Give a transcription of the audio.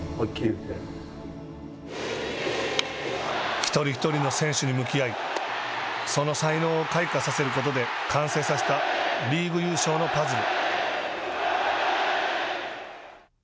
１人１人の選手に向き合いその才能を開花させることで完成させたリーグ優勝のパズル。